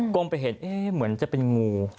ไปเห็นเหมือนจะเป็นงู